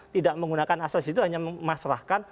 tidak menggunakan asas itu hanya memasrahkan